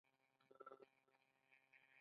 وریجې د پخولو له مخې دوه ډوله دي.